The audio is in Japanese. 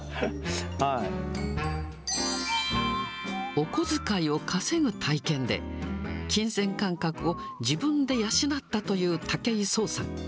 お小遣いを稼ぐ体験で、金銭感覚を自分で養ったという武井壮さん。